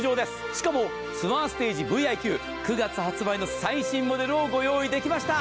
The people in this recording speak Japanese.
しかもツアーステージＶｉＱ９月発売の最新モデルをご用意できました。